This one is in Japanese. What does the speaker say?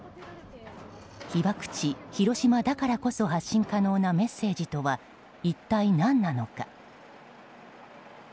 被爆地・広島だからこそ発信可能なメッセージとは一体何なのか。